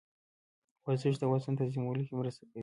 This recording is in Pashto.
ورزش د وزن تنظیمولو کې مرسته کوي.